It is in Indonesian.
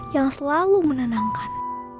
yang selalu menenangkan